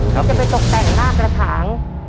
จะไปตกแต่งหน้ากระถาง